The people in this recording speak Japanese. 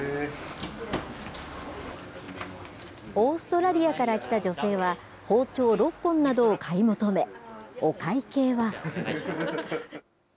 オーストラリアから来た女性は、包丁６本などを買い求め、お会計は。